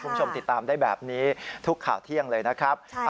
คุณผู้ชมติดตามได้แบบนี้ทุกข่าวเที่ยงเลยนะครับ